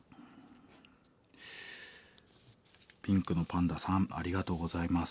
ピンクのパンダさんありがとうございます。